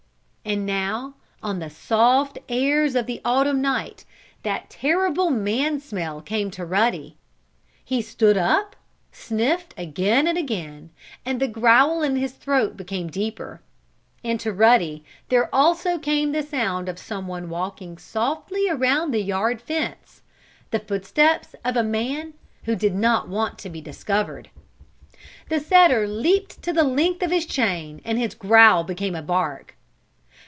And now, on the soft airs of the autumn night that terrible man smell came to Ruddy. He stood up, sniffed again and again, and the growl in his throat became deeper. And to Ruddy there also came the sound of someone walking softly around the yard fence the footsteps of a man who did not want to be discovered. The setter leaped to the length of his chain and his growl became a bark.